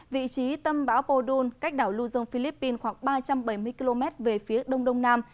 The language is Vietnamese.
vị trí tâm bão podun cách đảo luzon philippines khoảng ba trăm bảy mươi km về phía đông đông nam